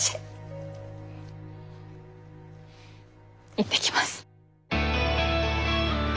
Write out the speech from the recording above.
行ってきます。